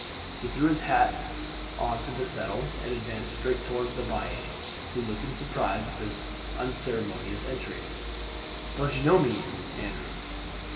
He threw his hat on to a settle and advanced straight towards the bailie, who looked in surprise at this unceremonious entry. "Don't you know me, Andrew?"